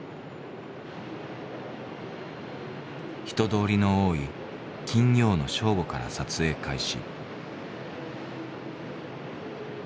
人通りの多い金曜の正午から撮影開始。